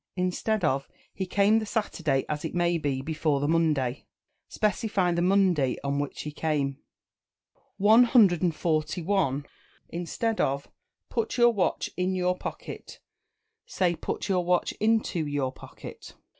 Instead of "He came the Saturday as it may be before the Monday," specify the Monday on which he came. 141. Instead of "Put your watch in your pocket," say "Put your watch into your pocket."